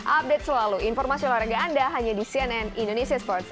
update selalu informasi olahraga anda hanya di cnn indonesia sports